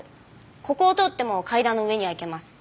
ここを通っても階段の上には行けます。